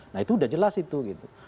nah itu udah jelas itu gitu